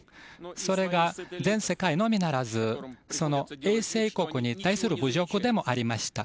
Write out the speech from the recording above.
それが、全世界のみならずその衛星国に対する侮辱でもありました。